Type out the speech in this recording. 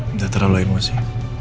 udah terlalu emosi